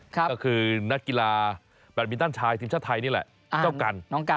ก็คือนากกีฬาแบบมิ้นท่านชายซิมชาติไทยเนี่ยแหละ